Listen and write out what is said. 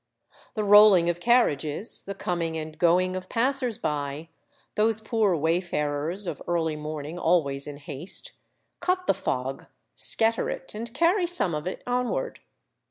The rolling of carriages, the coming and going of passers by — those poor way farers of early morning, always in haste — cut the fog, scatter it, and carry some of it onward.